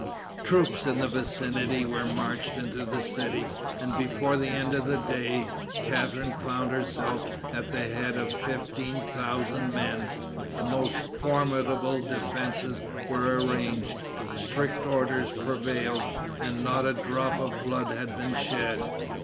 Troops in the vicinity were marched into the city, and before the end of the day, Catharine found herself at the head of fifteen thousand men; the most formidable defenses were arranged, strict order prevailed, and not a drop of blood had been shed.